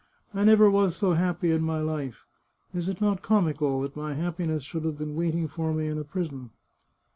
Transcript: I never was so happy in my life. Is it not comical that my happiness should have been wait ing for me in a prison